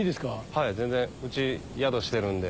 はい全然うち宿してるんで。